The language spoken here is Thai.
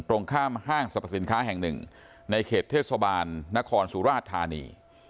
ตรงข้ามห้างสรรพสินค้าแห่งหนึ่งในเขตเทศบาลนครสุราชธานี